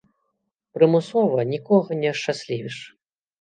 Прымусова нікога не ашчаслівіш.